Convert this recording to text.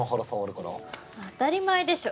当たり前でしょ。